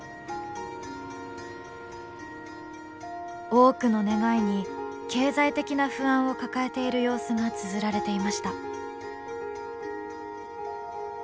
多くの願いに経済的な不安を抱えている様子がつづられていました。